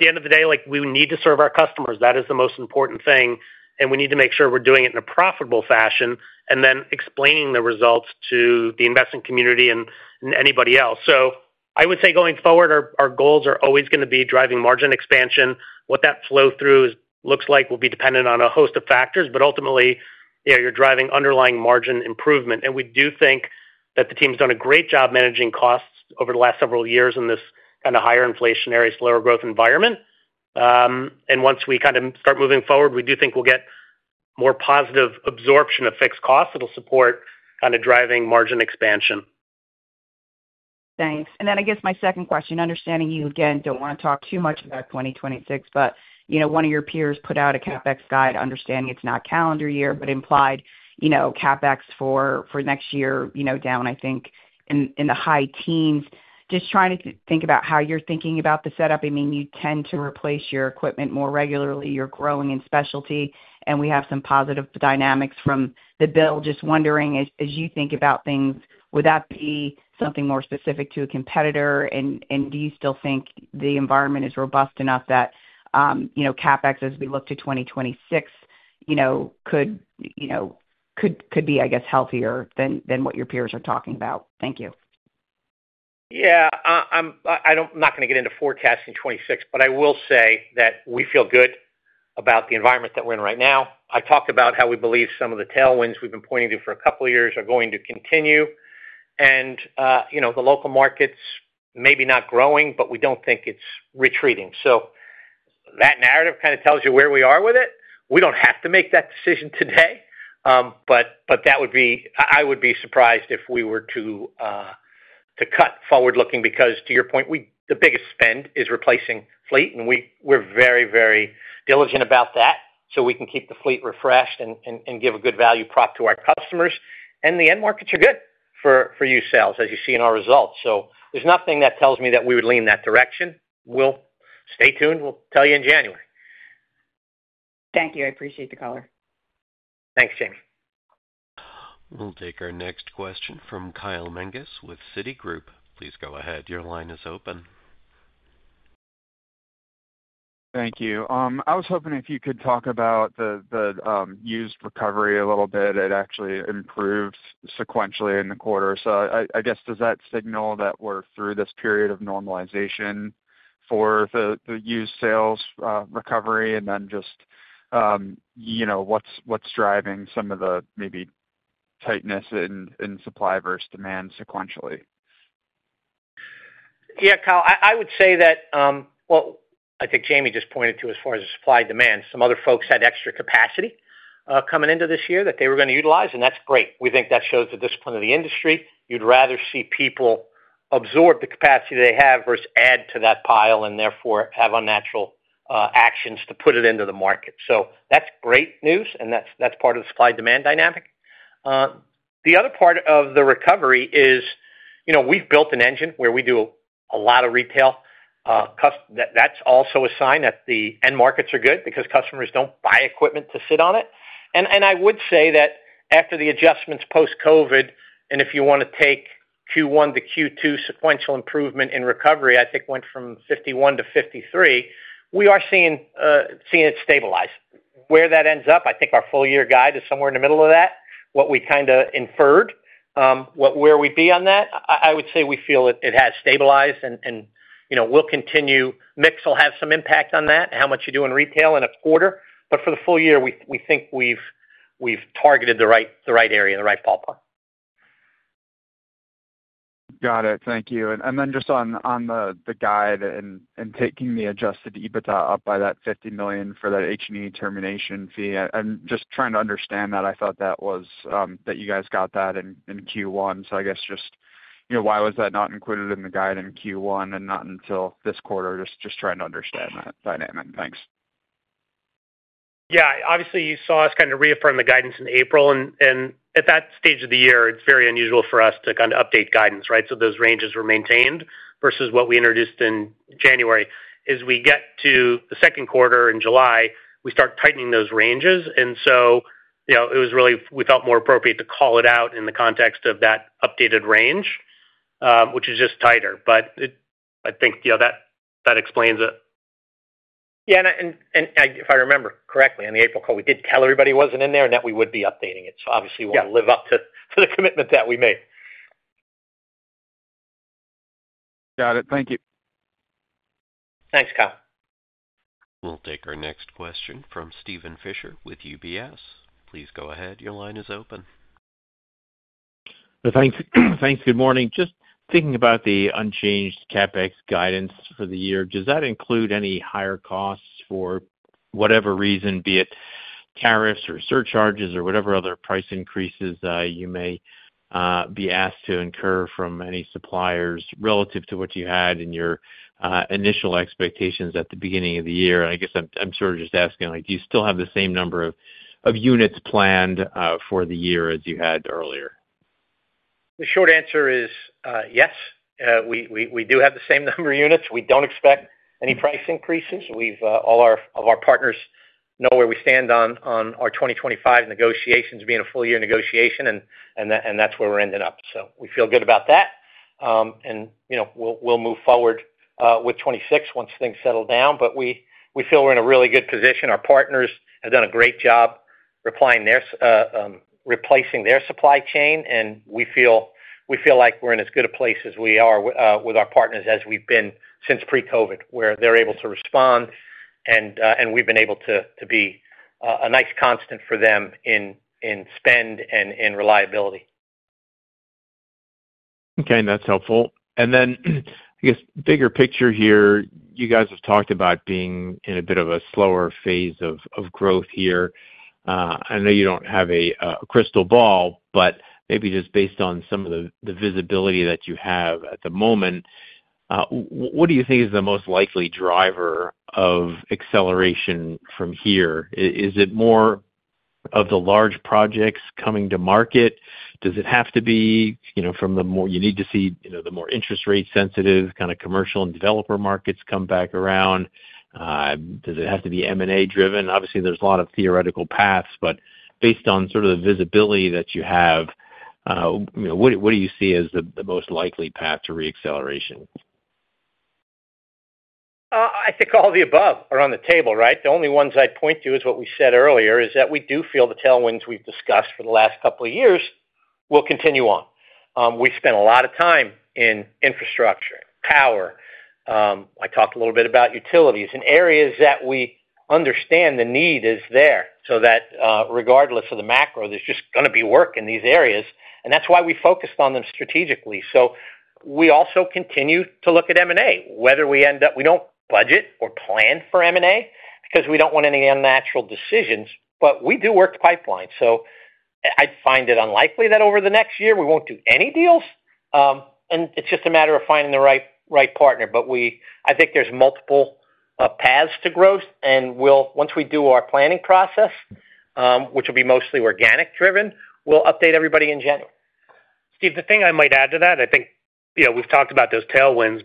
the end of the day, we need to serve our customers. That is the most important thing. We need to make sure we're doing it in a profitable fashion and then explaining the results to the investment community and anybody else. I would say going forward, our goals are always going to be driving margin expansion. What that flow-through looks like will be dependent on a host of factors. Ultimately, you're driving underlying margin improvement. We do think that the team's done a great job managing costs over the last several years in this kind of higher inflationary slower growth environment. Once we kind of start moving forward, we do think we'll get more positive absorption of fixed costs that'll support kind of driving margin expansion. Thanks. I guess my second question, understanding you, again, do not want to talk too much about 2026, but one of your peers put out a CapEx guide, understanding it is not calendar year, but implied CapEx for next year down, I think, in the high teens. Just trying to think about how you are thinking about the setup. I mean, you tend to replace your equipment more regularly. You are growing in specialty. We have some positive dynamics from the bill. Just wondering, as you think about things, would that be something more specific to a competitor? Do you still think the environment is robust enough that CapEx, as we look to 2026, could be, I guess, healthier than what your peers are talking about? Thank you. Yeah. I'm not going to get into forecasting 2026, but I will say that we feel good about the environment that we're in right now. I talked about how we believe some of the tailwinds we've been pointing to for a couple of years are going to continue. The local markets may be not growing, but we don't think it's retreating. That narrative kind of tells you where we are with it. We don't have to make that decision today. I would be surprised if we were to cut forward-looking because, to your point, the biggest spend is replacing fleet. We're very, very diligent about that so we can keep the fleet refreshed and give a good value prop to our customers. The end markets are good for used sales, as you see in our results. There's nothing that tells me that we would lean that direction. We'll stay tuned. We'll tell you in January. Thank you. I appreciate the caller. Thanks, Jamie. We'll take our next question from Kyle Menges with Citigroup. Please go ahead. Your line is open. Thank you. I was hoping if you could talk about the used recovery a little bit. It actually improved sequentially in the quarter. I guess, does that signal that we're through this period of normalization for the used sales recovery? What's driving some of the maybe tightness in supply versus demand sequentially? Yeah, Kyle, I would say that. I think Jamie just pointed to as far as the supply-demand, some other folks had extra capacity coming into this year that they were going to utilize. That's great. We think that shows the discipline of the industry. You'd rather see people absorb the capacity they have versus add to that pile and therefore have unnatural actions to put it into the market. That's great news, and that's part of the supply-demand dynamic. The other part of the recovery is, we've built an engine where we do a lot of retail. That's also a sign that the end markets are good because customers don't buy equipment to sit on it. I would say that after the adjustments post-COVID, and if you want to take Q1 to Q2 sequential improvement in recovery, I think went from 51 to 53, we are seeing it stabilize. Where that ends up, I think our full-year guide is somewhere in the middle of that, what we kind of inferred. Where we'd be on that, I would say we feel it has stabilized. We'll continue. Mix will have some impact on that, how much you do in retail in a quarter. For the full year, we think we've targeted the right area and the right ballpark. Got it. Thank you. And then just on the guide and taking the adjusted EBITDA up by that $50 million for that H&E termination fee, I'm just trying to understand that. I thought that you guys got that in Q1. I guess, just why was that not included in the guide in Q1 and not until this quarter? Just trying to understand that dynamic. Thanks. Yeah. Obviously, you saw us kind of reaffirm the guidance in April. At that stage of the year, it's very unusual for us to kind of update guidance, right? Those ranges were maintained versus what we introduced in January. As we get to the second quarter in July, we start tightening those ranges. It was really we felt more appropriate to call it out in the context of that updated range, which is just tighter. I think that explains it. Yeah. If I remember correctly, in the April call, we did tell everybody it wasn't in there and that we would be updating it. Obviously, we'll live up to the commitment that we made. Got it. Thank you. Thanks, Kyle. We'll take our next question from Steven Fisher with UBS. Please go ahead. Your line is open. Thanks. Good morning. Just thinking about the unchanged CapEx guidance for the year, does that include any higher costs for whatever reason, be it tariffs or surcharges or whatever other price increases you may be asked to incur from any suppliers relative to what you had in your initial expectations at the beginning of the year? I guess I'm sort of just asking, do you still have the same number of units planned for the year as you had earlier? The short answer is yes. We do have the same number of units. We don't expect any price increases. All of our partners know where we stand on our 2025 negotiations being a full-year negotiation, and that's where we're ending up. We feel good about that. We'll move forward with 2026 once things settle down. We feel we're in a really good position. Our partners have done a great job replacing their supply chain. We feel like we're in as good a place as we are with our partners as we've been since pre-COVID, where they're able to respond, and we've been able to be a nice constant for them in spend and in reliability. Okay. That's helpful. I guess, bigger picture here, you guys have talked about being in a bit of a slower phase of growth here. I know you don't have a crystal ball, but maybe just based on some of the visibility that you have at the moment, what do you think is the most likely driver of acceleration from here? Is it more of the large projects coming to market? Does it have to be from the more interest-rate-sensitive kind of commercial and developer markets come back around? Does it have to be M&A-driven? Obviously, there's a lot of theoretical paths. Based on sort of the visibility that you have, what do you see as the most likely path to re-acceleration? I think all the above are on the table, right? The only ones I'd point to is what we said earlier, is that we do feel the tailwinds we've discussed for the last couple of years will continue on. We spend a lot of time in infrastructure, power. I talked a little bit about utilities and areas that we understand the need is there so that regardless of the macro, there's just going to be work in these areas. That is why we focused on them strategically. We also continue to look at M&A. Whether we end up, we do not budget or plan for M&A because we do not want any unnatural decisions. We do work the pipeline. I'd find it unlikely that over the next year we will not do any deals. It is just a matter of finding the right partner. I think there are multiple paths to growth. Once we do our planning process, which will be mostly organic-driven, we will update everybody in January. Steve, the thing I might add to that, I think we've talked about those tailwinds.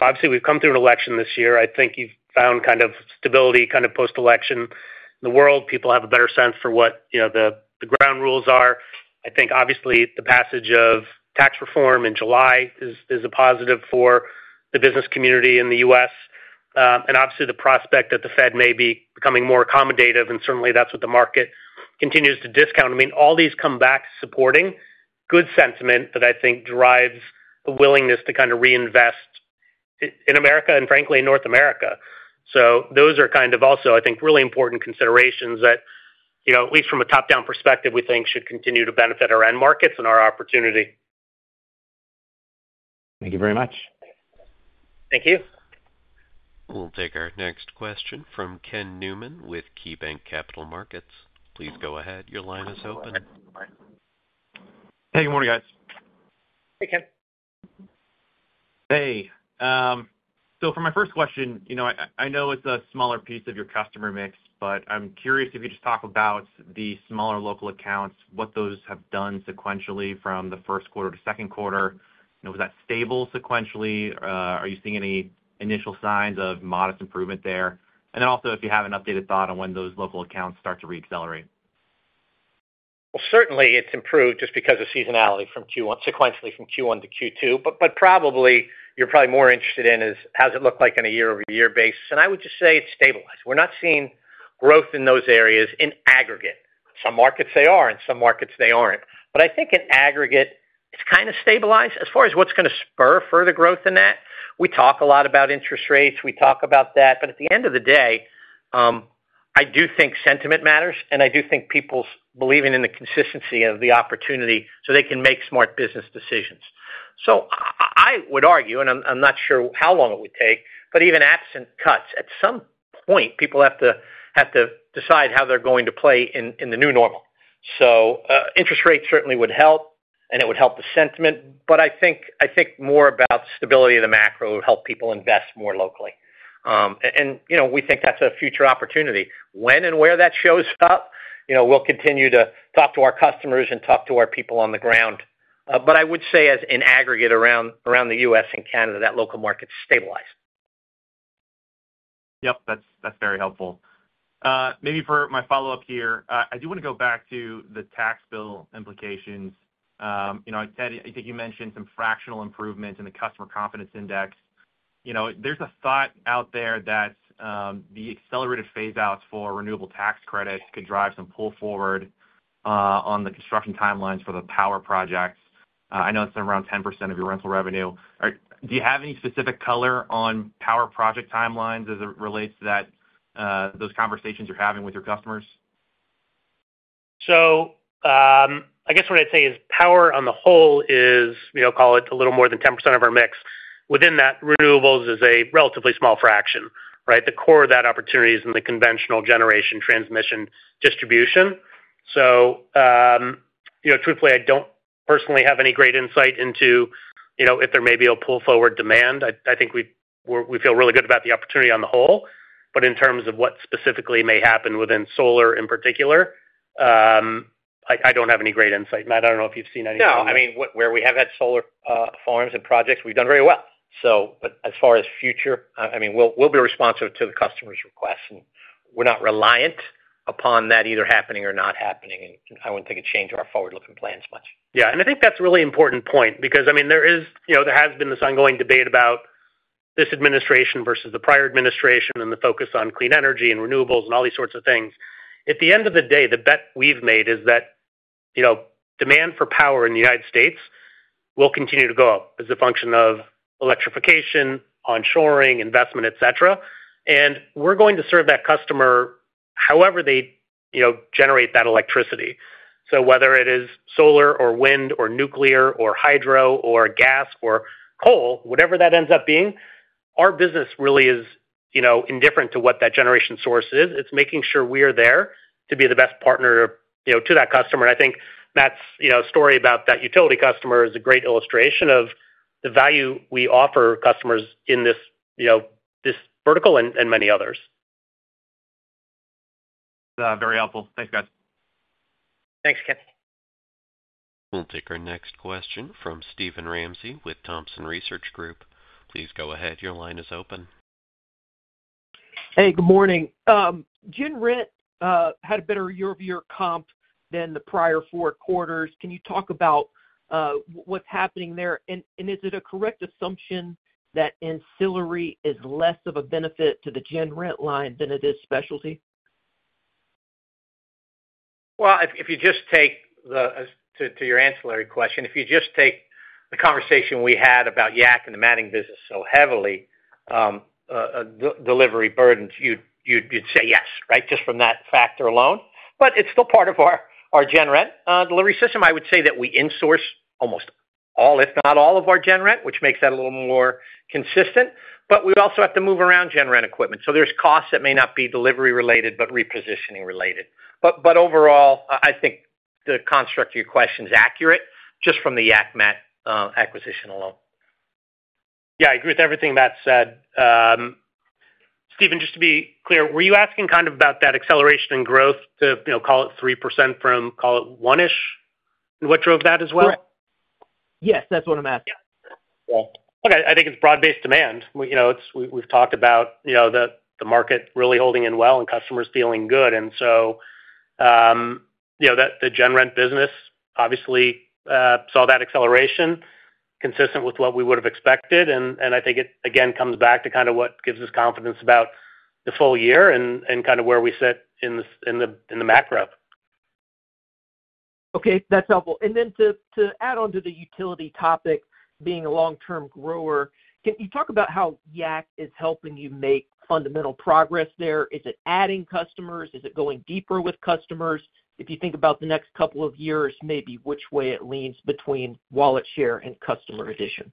Obviously, we've come through an election this year. I think you've found kind of stability post-election in the world. People have a better sense for what the ground rules are. I think, obviously, the passage of tax reform in July is a positive for the business community in the U.S. Obviously, the prospect that the Fed may be becoming more accommodative. Certainly, that is what the market continues to discount. I mean, all these come back supporting good sentiment that I think drives the willingness to reinvest in America and frankly in North America. Those are also, I think, really important considerations that, at least from a top-down perspective, we think should continue to benefit our end markets and our opportunity. Thank you very much. Thank you. We'll take our next question from Kenneth Newman with KeyBanc Capital Markets. Please go ahead. Your line is open. Hey, good morning, guys. Hey, Ken. Hey. For my first question, I know it's a smaller piece of your customer mix, but I'm curious if you just talk about the smaller local accounts, what those have done sequentially from the first quarter to second quarter. Was that stable sequentially? Are you seeing any initial signs of modest improvement there? If you have an updated thought on when those local accounts start to re-accelerate. It has certainly improved just because of seasonality sequentially from Q1 to Q2. What you are probably more interested in is how it looks on a year-over-year basis. I would just say it has stabilized. We are not seeing growth in those areas in aggregate. Some markets, they are, and some markets, they are not. I think in aggregate, it has kind of stabilized. As far as what is going to spur further growth in that, we talk a lot about interest rates. We talk about that. At the end of the day, I do think sentiment matters. I do think people believing in the consistency of the opportunity so they can make smart business decisions matters. I would argue, and I am not sure how long it would take, but even absent cuts, at some point, people have to decide how they are going to play in the new normal. Interest rates certainly would help, and it would help the sentiment. I think more about stability of the macro would help people invest more locally. We think that is a future opportunity. When and where that shows up, we will continue to talk to our customers and talk to our people on the ground. I would say in aggregate around the U.S. and Canada, that local market has stabilized. Yep. That's very helpful. Maybe for my follow-up here, I do want to go back to the tax bill implications. I think you mentioned some fractional improvement in the Customer Confidence Index. There's a thought out there that the accelerated phase-outs for renewable tax credits could drive some pull forward on the construction timelines for the power projects. I know it's around 10% of your rental revenue. Do you have any specific color on power project timelines as it relates to those conversations you're having with your customers? I guess what I'd say is power on the whole is, call it a little more than 10% of our mix. Within that, renewables is a relatively small fraction, right? The core of that opportunity is in the conventional generation transmission distribution. Truthfully, I don't personally have any great insight into if there may be a pull-forward demand. I think we feel really good about the opportunity on the whole. In terms of what specifically may happen within solar in particular, I don't have any great insight. I don't know if you've seen anything. No. I mean, where we have had solar farms and projects, we've done very well. As far as future, I mean, we'll be responsive to the customer's requests. We're not reliant upon that either happening or not happening. I wouldn't think it'd change our forward-looking plans much. Yeah, I think that's a really important point because, I mean, there has been this ongoing debate about this administration versus the prior administration and the focus on clean energy and renewables and all these sorts of things. At the end of the day, the bet we've made is that demand for power in the United States will continue to go up as a function of electrification, onshoring, investment, etc. We're going to serve that customer however they generate that electricity. Whether it is solar or wind or nuclear or hydro or gas or coal, whatever that ends up being, our business really is indifferent to what that generation source is. It's making sure we are there to be the best partner to that customer. I think Matt's story about that utility customer is a great illustration of the value we offer customers in this vertical and many others. That's very helpful. Thanks, guys. Thanks, Ken. We'll take our next question from Steven Ramsey with Thompson Research Group. Please go ahead. Your line is open. Hey, good morning. General rental had a better year-over-year comp than the prior four quarters. Can you talk about what is happening there? Is it a correct assumption that ancillary is less of a benefit to the general rental line than it is specialty? If you just take the—to your ancillary question—if you just take the conversation we had about Yak and the matting business so heavily. Delivery burdens, you'd say yes, right, just from that factor alone. It is still part of our general rental delivery system. I would say that we insource almost all, if not all, of our general rental, which makes that a little more consistent. We also have to move around general rental equipment. There are costs that may not be delivery-related but repositioning-related. Overall, I think the construct of your question is accurate just from the Yak matting acquisition alone. Yeah. I agree with everything Matt said. Steven, just to be clear, were you asking kind of about that acceleration in growth to call it 3% from, call it 1-ish? And what drove that as well? Correct. Yes. That's what I'm asking. Yeah. Okay. I think it's broad-based demand. We've talked about. The market really holding in well and customers feeling good. The general rental business obviously saw that acceleration consistent with what we would have expected. I think it, again, comes back to kind of what gives us confidence about the full year and kind of where we sit in the macro. Okay. That's helpful. To add on to the utility topic, being a long-term grower, can you talk about how Yak is helping you make fundamental progress there? Is it adding customers? Is it going deeper with customers? If you think about the next couple of years, maybe which way it leans between wallet share and customer addition?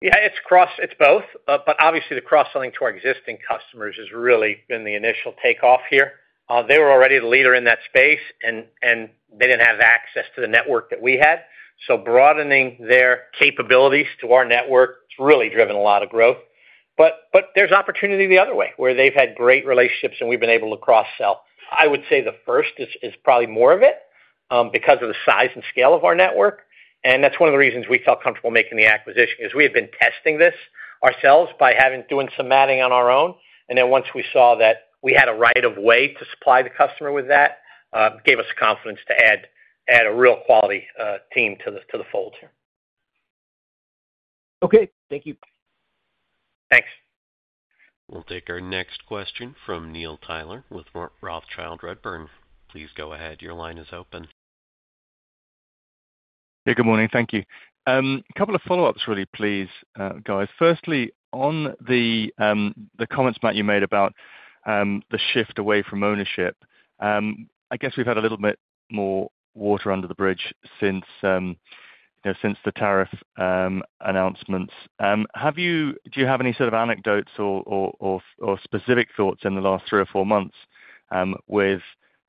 Yeah. It's both. Obviously, the cross-selling to our existing customers has really been the initial takeoff here. They were already the leader in that space, and they didn't have access to the network that we had. Broadening their capabilities to our network has really driven a lot of growth. There's opportunity the other way where they've had great relationships, and we've been able to cross-sell. I would say the first is probably more of it because of the size and scale of our network. That's one of the reasons we felt comfortable making the acquisition because we had been testing this ourselves by doing some matting on our own. Once we saw that we had a right-of-way to supply the customer with that, it gave us confidence to add a real quality team to the fold here. Okay. Thank you. Thanks. We'll take our next question from Neil Tyler with Rothschild Redburn. Please go ahead. Your line is open. Yeah. Good morning. Thank you. A couple of follow-ups, really, please, guys. Firstly, on the comments, Matt, you made about the shift away from ownership. I guess we've had a little bit more water under the bridge since the tariff announcements. Do you have any sort of anecdotes or specific thoughts in the last three or four months, with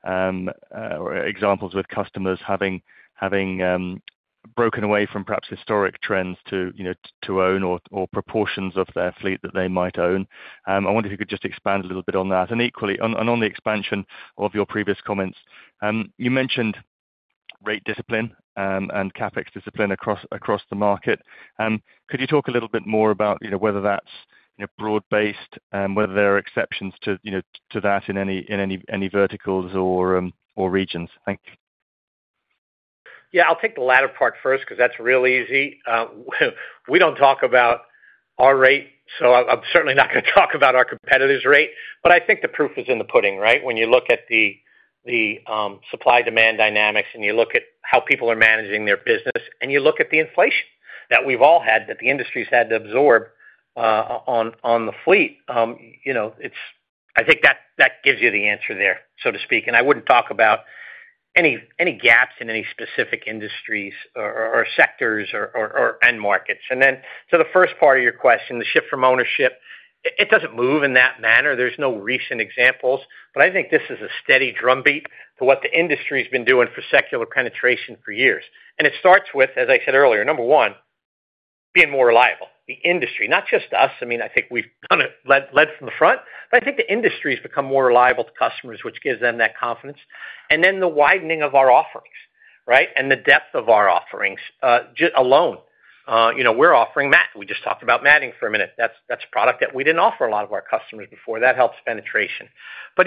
examples with customers having broken away from perhaps historic trends to own or proportions of their fleet that they might own? I wonder if you could just expand a little bit on that. On the expansion of your previous comments, you mentioned rate discipline and CapEx discipline across the market. Could you talk a little bit more about whether that's broad-based, whether there are exceptions to that in any verticals or regions? Thank you. Yeah. I'll take the latter part first because that's real easy. We don't talk about our rate. So, I'm certainly not going to talk about our competitor's rate. I think the proof is in the pudding, right? When you look at the supply-demand dynamics and you look at how people are managing their business and you look at the inflation that we've all had that the industry's had to absorb on the fleet, I think that gives you the answer there, so to speak. I wouldn't talk about any gaps in any specific industries or sectors or end markets. To the first part of your question, the shift from ownership, it doesn't move in that manner. There's no recent examples. I think this is a steady drumbeat to what the industry's been doing for secular penetration for years. It starts with, as I said earlier, number one, being more reliable. The industry, not just us. I mean, I think we've kind of led from the front. I think the industry's become more reliable to customers, which gives them that confidence. Then the widening of our offerings, right, and the depth of our offerings alone. We're offering mat. We just talked about matting for a minute. That's a product that we didn't offer a lot of our customers before. That helps penetration.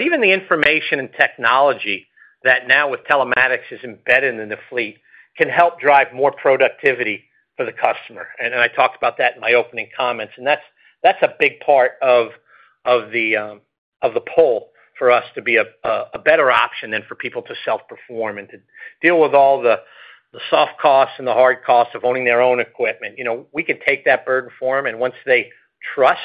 Even the information and technology that now with telematics is embedded in the fleet can help drive more productivity for the customer. I talked about that in my opening comments. That's a big part of the pull for us to be a better option than for people to self-perform and to deal with all the soft costs and the hard costs of owning their own equipment. We can take that burden for them. Once they trust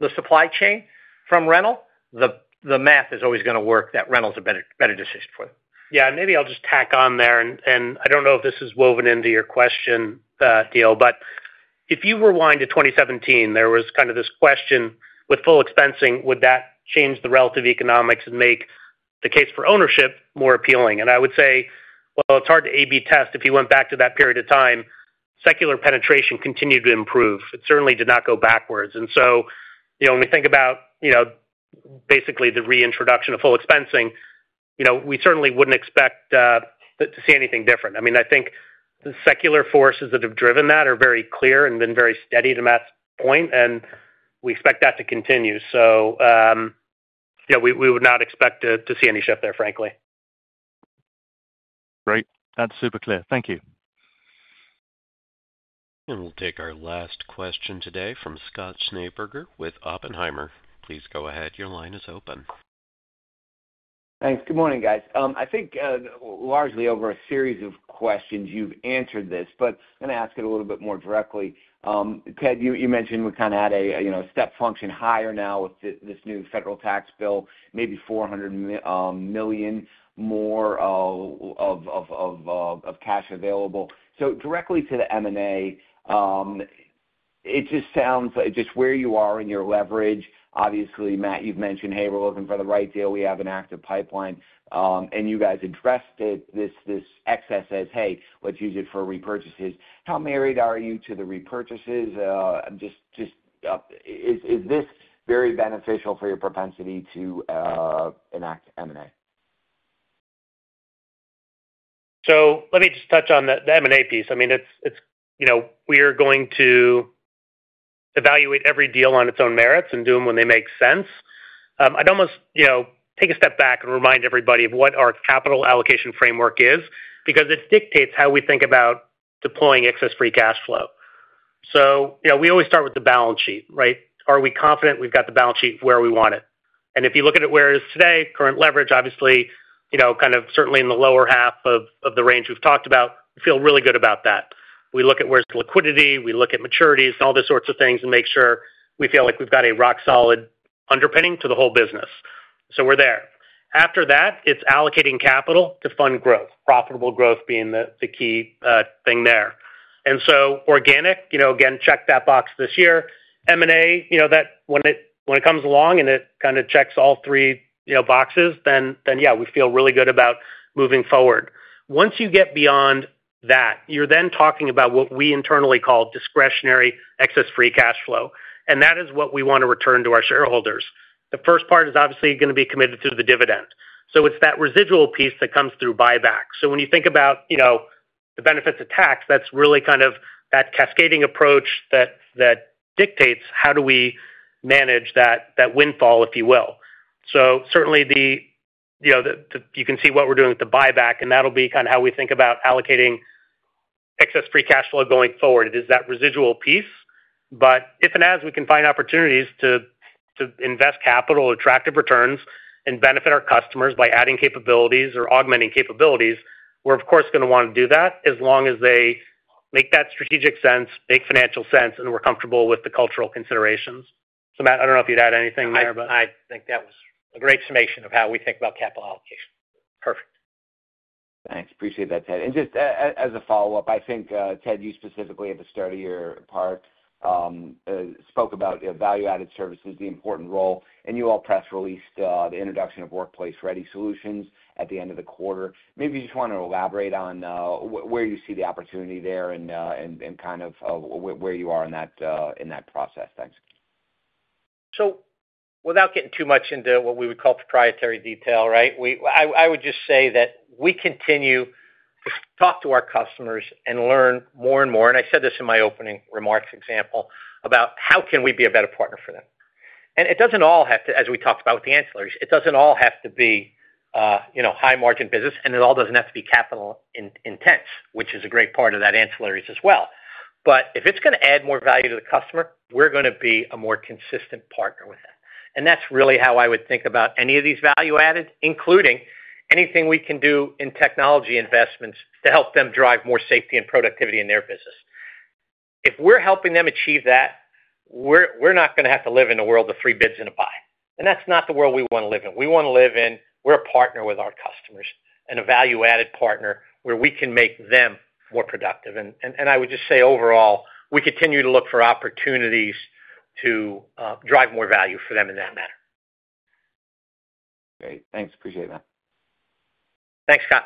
the supply chain from rental, the math is always going to work that rental's a better decision for them. Yeah. Maybe I'll just tack on there. I don't know if this is woven into your question, Neil, but if you rewind to 2017, there was kind of this question with full expensing, would that change the relative economics and make the case for ownership more appealing? I would say, well, it's hard to A/B test. If you went back to that period of time, secular penetration continued to improve. It certainly did not go backwards. When we think about basically the reintroduction of full expensing, we certainly wouldn't expect to see anything different. I think the secular forces that have driven that are very clear and been very steady to Matt's point. We expect that to continue. We would not expect to see any shift there, frankly. Great. That's super clear. Thank you. We will take our last question today from Scott Schneeberger with Oppenheimer. Please go ahead. Your line is open. Thanks. Good morning, guys. I think largely over a series of questions, you've answered this. But I'm going to ask it a little bit more directly. Ted, you mentioned we kind of had a step function higher now with this new federal tax bill, maybe $400 million more of cash available. So, directly to the M&A. It just sounds like just where you are in your leverage, obviously, Matt, you've mentioned, "Hey, we're looking for the right deal. We have an active pipeline." And you guys addressed this excess as, "Hey, let's use it for repurchases." How married are you to the repurchases? Just, is this very beneficial for your propensity to enact M&A? Let me just touch on the M&A piece. I mean, we are going to evaluate every deal on its own merits and do them when they make sense. I'd almost take a step back and remind everybody of what our capital allocation framework is because it dictates how we think about deploying excess free cash flow. We always start with the balance sheet, right? Are we confident we've got the balance sheet where we want it? If you look at it where it is today, current leverage, obviously, certainly in the lower half of the range we've talked about, we feel really good about that. We look at where's the liquidity. We look at maturities and all those sorts of things and make sure we feel like we've got a rock-solid underpinning to the whole business. We're there. After that, it's allocating capital to fund growth, profitable growth being the key thing there. Organic, again, check that box this year. M&A, when it comes along and it kind of checks all three boxes, then yeah, we feel really good about moving forward. Once you get beyond that, you're then talking about what we internally call discretionary excess free cash flow. That is what we want to return to our shareholders. The first part is obviously going to be committed through the dividend. It's that residual piece that comes through buyback. When you think about the benefits of tax, that's really kind of that cascading approach that dictates how do we manage that windfall, if you will. Certainly, you can see what we're doing with the buyback. That'll be kind of how we think about allocating excess free cash flow going forward. It is that residual piece. If and as we can find opportunities to invest capital, attractive returns, and benefit our customers by adding capabilities or augmenting capabilities, we're, of course, going to want to do that as long as they make that strategic sense, make financial sense, and we're comfortable with the cultural considerations. Matt, I don't know if you'd add anything there. But I think that was a great summation of how we think about capital allocation. Perfect. Thanks. Appreciate that, Ted. Just as a follow-up, I think, Ted, you specifically at the start of your part spoke about value-added services, the important role. You all press released the introduction of workplace-ready solutions at the end of the quarter. Maybe you just want to elaborate on where you see the opportunity there and kind of where you are in that process. Thanks. Without getting too much into what we would call proprietary detail, right, I would just say that we continue to talk to our customers and learn more and more. I said this in my opening remarks example about how can we be a better partner for them. It does not all have to, as we talked about with the ancillaries, it does not all have to be high-margin business. It all does not have to be capital-intense, which is a great part of that ancillaries as well. If it is going to add more value to the customer, we are going to be a more consistent partner with them. That is really how I would think about any of these value-added, including anything we can do in technology investments to help them drive more safety and productivity in their business. If we are helping them achieve that, we are not going to have to live in a world of three bids and a buy. That is not the world we want to live in. We want to live in where we are a partner with our customers and a value-added partner where we can make them more productive. I would just say overall, we continue to look for opportunities to drive more value for them in that manner. Great. Thanks. Appreciate that. Thanks, Scott.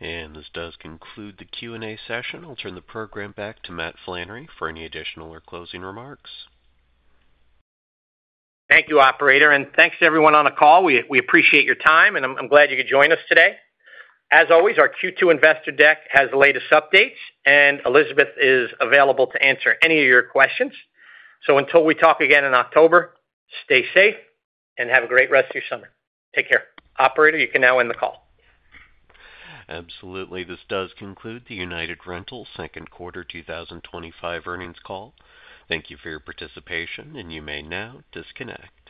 This does conclude the Q&A session. I'll turn the program back to Matt Flannery for any additional or closing remarks. Thank you, operator. Thank you to everyone on the call. We appreciate your time. I am glad you could join us today. As always, our Q2 investor deck has the latest updates. Elizabeth is available to answer any of your questions. Until we talk again in October, stay safe and have a great rest of your summer. Take care. Operator, you can now end the call. Absolutely. This does conclude the United Rentals second quarter 2025 earnings call. Thank you for your participation. You may now disconnect.